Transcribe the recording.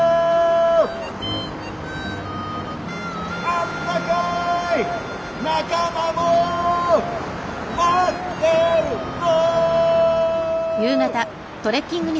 あったかい仲間も待ってるぞ！